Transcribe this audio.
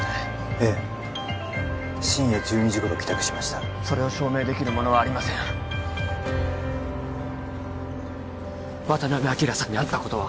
ええ深夜１２時頃帰宅しましたそれを証明できるものはありません渡辺昭さんに会ったことは？